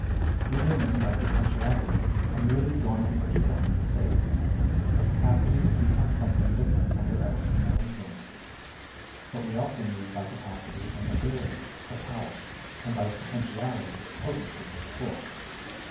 We may mean by potentiality a merely dormant or quiescent state a capacity to become something different under external influences. But we also mean by capacity an ability, a power; and by potentiality potency, force.